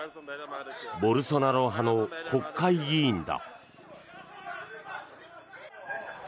ボルソナロ派の国会議員だ。